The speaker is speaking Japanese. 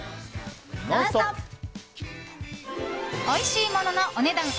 おいしいもののお値段